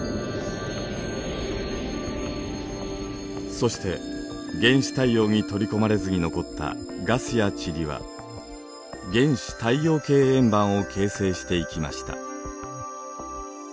そして原始太陽に取り込まれずに残ったガスや塵は原始太陽系円盤を形成していきました。